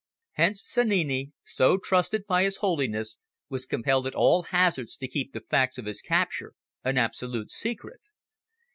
Hence Sannini, so trusted by His Holiness, was compelled at all hazards to keep the facts of his capture an absolute secret.